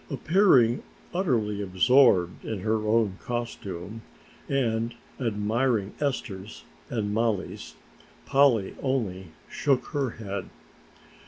Appearing utterly absorbed in her own costume and in admiring Esther's and Mollie's, Polly only shook her head.